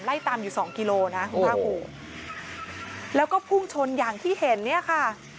ไล่ตามอยู่สองกิโลนะคุณภาคภูมิแล้วก็พุ่งชนอย่างที่เห็นเนี่ยค่ะ